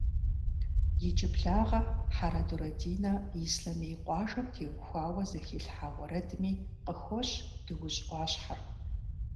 Иджыблагъэ Хьэрэдурэ Динэ Ислъэмей къуажэм теухуауэ зэхилъхьа уэрэдми къыхощ Дуужь ӏуащхьэр.